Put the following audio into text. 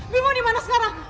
bimo dimana sekarang